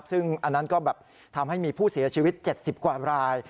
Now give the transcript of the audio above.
ซึ่งอันนั้นก็แบบทำให้มีผู้เสียชีวิต๗๐กว่าราย